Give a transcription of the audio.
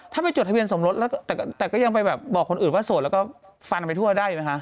แต่ก็ยังไปบอกคนอื่นว่าโสดแล้วก็ฟันอันไปทั่วได้ไหมคะ